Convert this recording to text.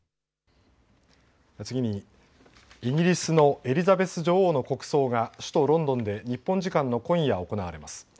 次にイギリスのエリザベス女王の国葬が首都ロンドンで日本時間の今夜行われます。